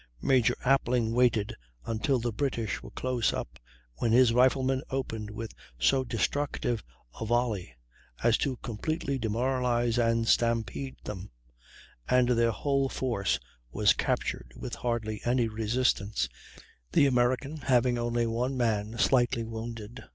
Major Appling waited until the British were close up, when his riflemen opened with so destructive a volley as to completely demoralize and "stampede" them, and their whole force was captured with hardly any resistance, the American having only one man slightly wounded.